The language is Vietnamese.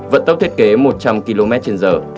vận tốc thiết kế một trăm linh km trên giờ